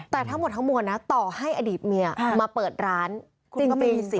แต่ทั้งหมดทั้งหมดนะต่อให้อดีตเมียมาเปิดร้านคุณก็ไม่มีสิทธิ์